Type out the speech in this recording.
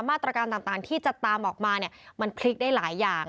มาตรการต่างที่จะตามออกมาเนี่ยมันพลิกได้หลายอย่าง